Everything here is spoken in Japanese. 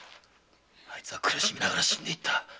あいつは苦しみながら死んでいった。